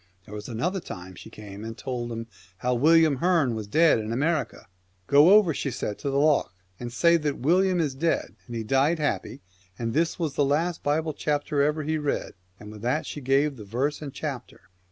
There was another time she came and told how William Hearne was dead in America. " Go over," she 204 says, "to the Lough, and say that William Tne 1 ' 5 7 . Friends of is dead, and he died happy, and this was the People the last Bible chapter ever he read," and ° aery * with that she gave the verse and chapter.